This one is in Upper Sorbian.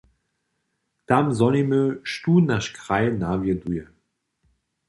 Tam zhonimy, štó naš kraj nawjeduje.